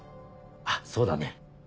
あっそうだね。